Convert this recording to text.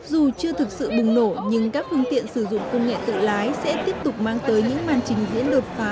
dù chưa thực sự bùng nổ nhưng các phương tiện sử dụng công nghệ tự lái sẽ tiếp tục mang tới những màn trình diễn đột phá